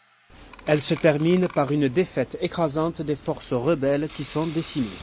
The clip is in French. Elle se termine par une défaite écrasante des forces rebelles qui sont décimées.